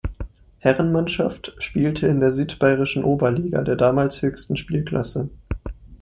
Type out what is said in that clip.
Herrenmannschaft spielte in der südbayerischen Oberliga, der damals höchsten Spielklasse.